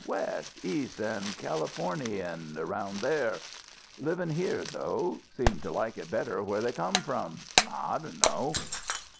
West, East an' Californy, an' around there. Livin' here, though. Seem t' like it better'n where they come from. I dunno."